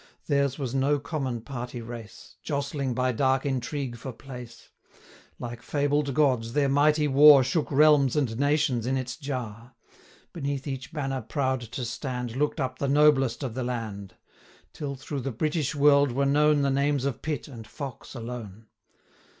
Theirs was no common party race, Jostling by dark intrigue for place; Like fabled Gods, their mighty war 170 Shook realms and nations in its jar; Beneath each banner proud to stand, Look'd up the noblest of the land, Till through the British world were known The names of PITT and Fox alone.